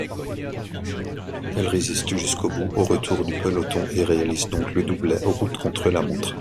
Elle résiste jusqu'au bout au retour du peloton et réalise donc le doublet route-contre-la-montre.